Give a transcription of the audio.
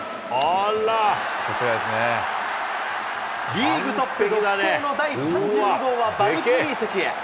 リーグトップ独走の第３２号はバックスクリーン席へ。